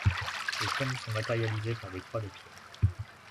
Les tombes sont matérialisées par des croix de pierre.